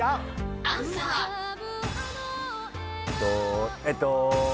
えっとえっと。